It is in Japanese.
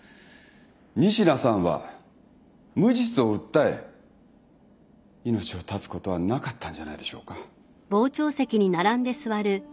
仁科さんは無実を訴え命を絶つことはなかったんじゃないでしょうか。